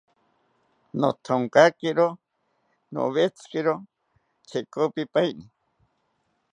Nothonkakiro nowetziro chekopipaeni